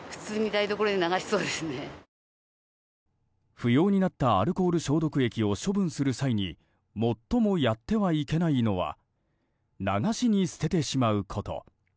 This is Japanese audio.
不要になったアルコール消毒液を処分する際に最もやってはいけないのは流しに捨ててしまうこと。